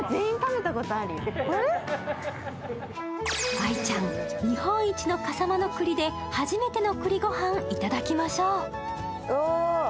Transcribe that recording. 愛ちゃん、日本一の笠間のくりで初めてのくりご飯頂きましょう。